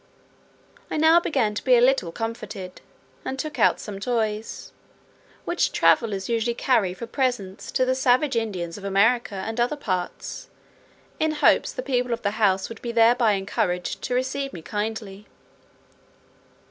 I now began to be a little comforted; and took out some toys, which travellers usually carry for presents to the savage Indians of America, and other parts, in hopes the people of the house would be thereby encouraged to receive me kindly.